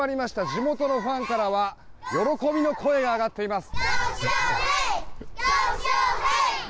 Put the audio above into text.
地元のファンからは喜びの声が上がっています。